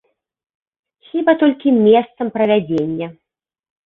Хіба толькі месцам правядзення.